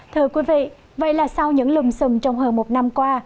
thưa quý vị vậy là sau những lùm xùm trong hơn một năm qua